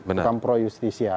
bukan pro justis ya